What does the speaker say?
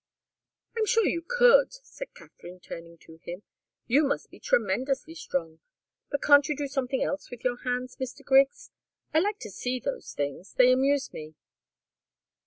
"I'm sure you could," said Katharine, turning to him. "You must be tremendously strong. But can't you do something else with your hands, Mr. Griggs? I like to see those things. They amuse me."